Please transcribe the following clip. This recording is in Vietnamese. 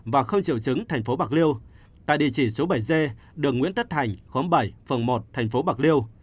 và không chịu chứng thành phố bạc liêu tại địa chỉ số bảy g đường nguyễn tất thành khóm bảy phòng một thành phố bạc liêu